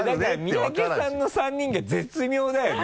三宅さんの３人が絶妙だよね。